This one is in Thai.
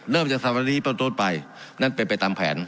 เริ่มจากสัปดาห์วันนี้เป็นตรงจุดใหม่นั่นไปไปตามแผน